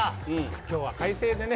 今日は快晴でね。